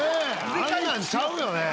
あんなんちゃうよね！